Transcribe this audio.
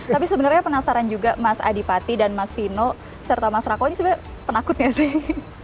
tapi sebenernya penasaran juga mas adipati dan mas vino serta mas rako ini sebenernya penakut gak sih